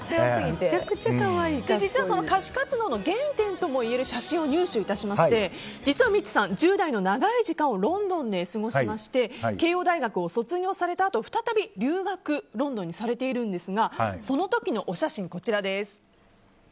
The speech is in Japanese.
実は歌手活動の原点ともいえる写真を入手しまして実はミッツさん１０代の長い時代をロンドンで過ごしまして慶應大学を卒業されたあと再びロンドンに留学されているんですがその時のお写真、こちらです。